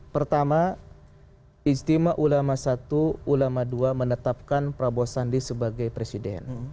pertama istimewa ulama satu ulama dua menetapkan prabowo sandi sebagai presiden